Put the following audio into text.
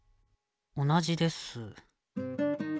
同じです。